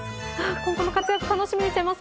今後のご活躍楽しみにしてます。